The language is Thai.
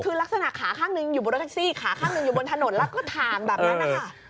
คือลักษณะขาข้างหนึ่งอยู่บนรถแท็กซี่ขาข้างหนึ่งอยู่บนถนนแล้วก็ถ่างแบบนั้นนะคะ